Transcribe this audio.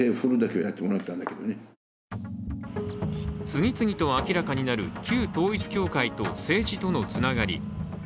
次々と明らかになる旧統一教会と政治とのつながり。